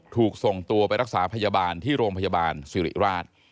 ถูกส่งตัวไปรักษาพยาบาลที่โรงพยาบาลสิริราช